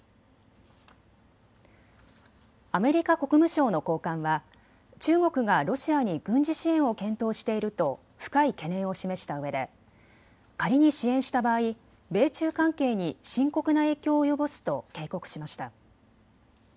アメリカ国務省の高官は中国がロシアに軍事支援を検討していると深い懸念を示したうえで仮に支援した場合、米中関係に深刻な影響を及ぼすと警告しました。